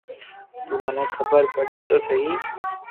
تو مني خبر پڙي تو سھي